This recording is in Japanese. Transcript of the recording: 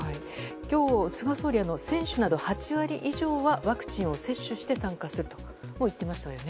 今日、菅総理は選手など８割以上はワクチンを接種して参加すると言っていましたよね。